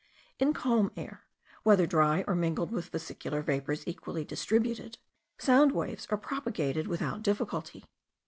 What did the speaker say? In calm air, whether dry or mingled with vesicular vapours equally distributed, sound waves are propagated without difficulty.